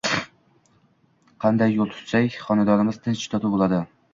Qanday yo‘l tutsak, xonadonimiz tinch-totuv bo‘ladi.